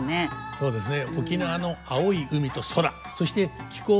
そうですね。